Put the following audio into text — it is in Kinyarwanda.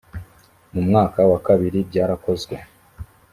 mu mwaka wa kabiri byarakozwe